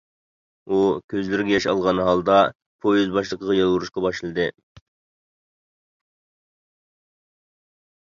ئۇ كۆزلىرىگە ياش ئالغان ھالدا پويىز باشلىقىغا يالۋۇرۇشقا باشلىدى.